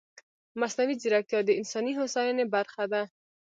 مصنوعي ځیرکتیا د انساني هوساینې برخه ده.